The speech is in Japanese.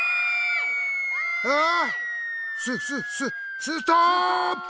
ああっ⁉スススストーップ！